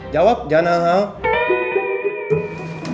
jawab jangan hal hal